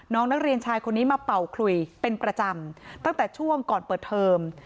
น้องนักเรียนชายคนนี้มาเป่าคลุยเป็นประจำตั้งแต่ช่วงก่อนเปิดเทอม